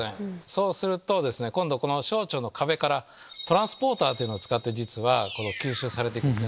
そうすると今度小腸の壁からトランスポーターというのを使って実は吸収されていくんです。